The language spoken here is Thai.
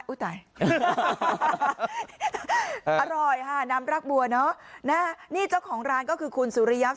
ตายอร่อยค่ะน้ำรักบัวเนอะนะนี่เจ้าของร้านก็คือคุณสุริยักษ